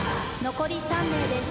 残り３名です。